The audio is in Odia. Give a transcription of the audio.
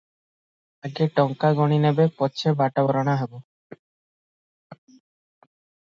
ଆଗେ ଟଙ୍କା ଗଣିନେବେ, ପଛେ ବାଟବରଣ ହେବ ।